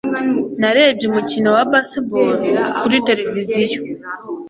Narebye umukino wa baseball kuri tereviziyo.